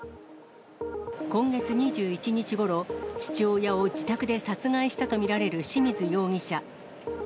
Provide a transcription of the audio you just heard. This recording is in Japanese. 今月２１日ごろ、父親を自宅で殺害したと見られる志水容疑者。